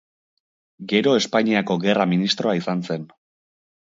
Gero Espainiako Gerra Ministroa izan zen.